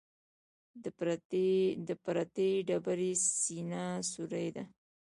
د پرتې ډبرې سینه سورۍ ده.